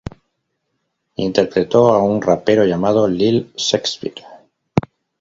Interpretó a un rapero llamado Lil' Shakespeare.